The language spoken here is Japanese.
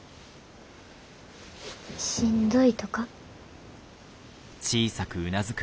しんどいとか？